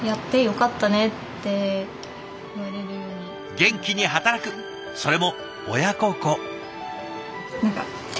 元気に働くそれも親孝行。